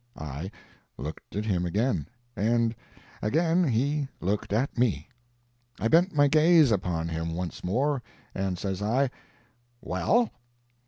I looked at him again, and again he looked at me. I bent my gaze upon him once more, and says I, "Well?"